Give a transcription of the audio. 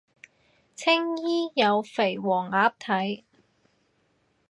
青衣有肥黃鴨睇